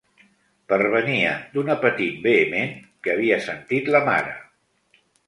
Pervenia d'un apetit vehement que havia sentit la mare.